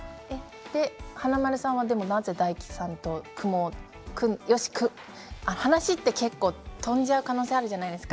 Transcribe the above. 華丸さんはなぜ大吉さんと話って飛んじゃう可能性があるじゃないですか